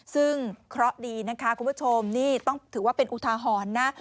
ซึ่งเคราะห์ดีนะคะคุณผู้ชมนี่ต้องถือว่าเป็นอุทาหรณ์นะ